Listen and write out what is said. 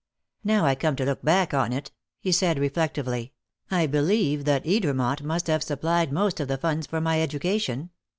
"Now I come to look back on it," he said reflectively, "I believe that Edermont must have supplied most of the funds for my education.